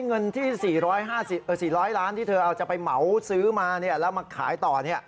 เงินที่๔๐๐ล้านที่เธอเอาจะไปเหมาซื้อมาแล้วมาขายต่อ